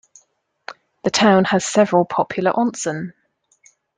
The town has several popular onsen.